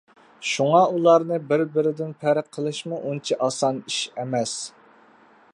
شۇڭا ئۇلارنى بىر-بىرىدىن پەرق قىلىشمۇ ئۇنچە ئاسان ئىش ئەمەس.